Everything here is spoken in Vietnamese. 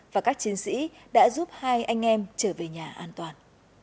và các chiến sĩ đã giúp hai anh em trở về nhà an toàn